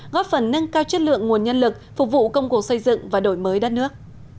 góp phần nâng cao chất lượng nguồn nhân lực phục vụ công cụ xây dựng và đổi mới đất nước